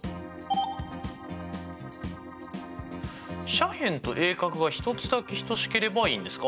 斜辺と鋭角が１つだけ等しければいいんですか？